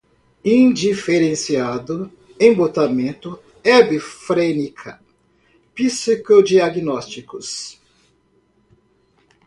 cansaço, acinesia, excitação, indiferenciado, embotamento, hebefrênica, psicodiagnósticos, manicômio